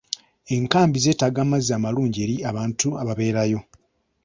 Enkambi zeetaaga amazzi amalungi eri abantu ababeera yo.